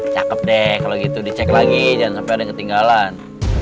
cakep deh kalau gitu dicek lagi jangan sampai ada yang ketinggalan